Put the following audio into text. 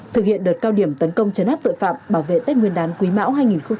thực hiện đợt cao điểm tấn công chấn áp tội phạm bảo vệ tết nguyên đán quý mão hai nghìn hai mươi bốn